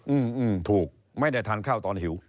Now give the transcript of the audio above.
อืมถูกไม่ได้ทานข้าวตอนหิว